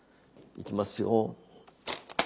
いきますよ！